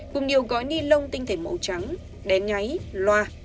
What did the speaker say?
cùng nhiều gói ni lông tinh thể màu trắng đén nháy loa